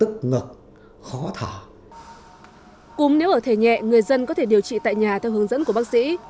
cúm nếu ở thể nhẹ người dân có thể điều trị tại nhà theo hướng dẫn của bác sĩ